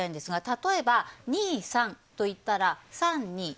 例えば、２、３と言ったら３、２と。